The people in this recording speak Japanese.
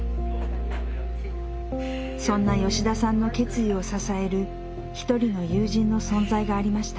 そんな吉田さんの決意を支える一人の友人の存在がありました。